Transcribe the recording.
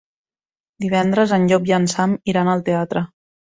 Divendres en Llop i en Sam iran al teatre.